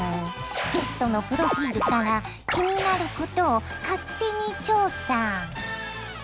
ゲストのプロフィールから気になることを勝手に調査。